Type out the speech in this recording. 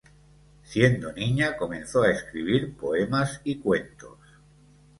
Siendo niña comenzó a escribir poemas y cuentos.